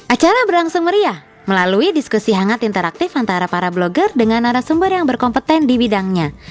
acara berlangsung meriah melalui diskusi hangat interaktif antara para blogger dengan narasumber yang berkompeten di bidangnya